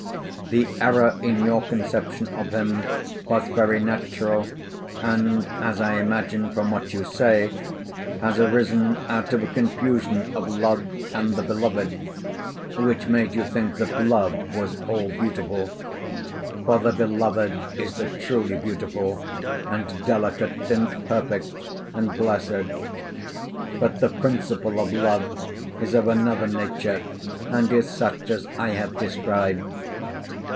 The error in your conception of him was very natural, and as I imagine from what you say, has arisen out of a confusion of love and the beloved, which made you think that love was all beautiful. For the beloved is the truly beautiful, and delicate, and perfect, and blessed; but the principle of love is of another nature, and is such as I have described.'